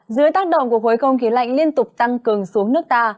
dưới tác động của khối không khí lạnh liên tục tăng cường xuống nước ta